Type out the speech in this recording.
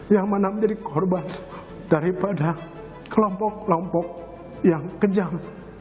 yang mana menjadi korban daripada kelompok kelompok yang kejam